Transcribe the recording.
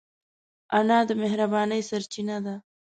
انا د مهربانۍ سرچینه ده